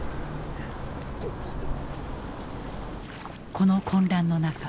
この混乱の中